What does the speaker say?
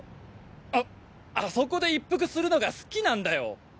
ああそこで一服するのが好きなんだよ！